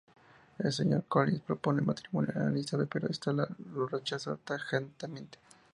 El señor Collins propone matrimonio a Elizabeth, pero esta lo rechaza tajantemente.